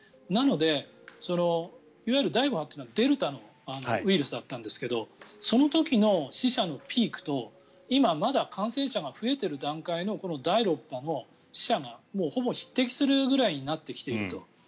なのでいわゆる第５波というのはデルタのウイルスだったんですがその時の死者のピークと今、まだ感染者が増えている段階の第６波の死者がもうほぼ匹敵するぐらいになってきていると。